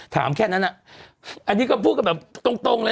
แค่นั้นอ่ะอันนี้ก็พูดกันแบบตรงเลย